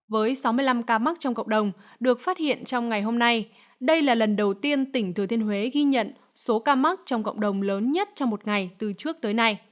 với sáu mươi năm ca mắc trong cộng đồng được phát hiện trong ngày hôm nay đây là lần đầu tiên tỉnh thừa thiên huế ghi nhận số ca mắc trong cộng đồng lớn nhất trong một ngày từ trước tới nay